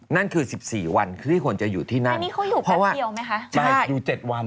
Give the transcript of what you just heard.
นั่นคือ๑๔วันที่คนจะอยู่ที่นั่นอันนี้เขาอยู่พักเดียวไหมคะใช่อยู่เจ็ดวัน